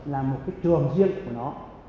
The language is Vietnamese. là một cái trường riêng của nó